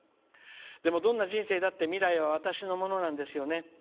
でも、どんな人生だって未来は私のものなんですよね。